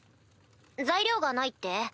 材料がないって？